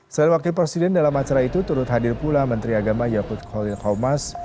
selain wakil presiden dalam macera itu turut hadir pula menteri agama yaakut khalil thomas